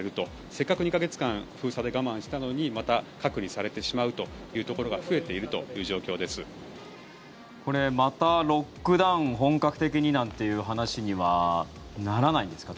せっかく２か月間封鎖で我慢したのにまた隔離されてしまうというところがまたロックダウン本格的になんていう話にはならないんですか？